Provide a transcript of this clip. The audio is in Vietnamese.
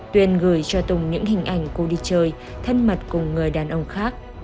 tuyền gửi cho tùng những hình ảnh cô đi chơi thân mặt cùng người đàn ông khác